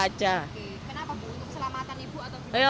kenapa bu untuk keselamatan ibu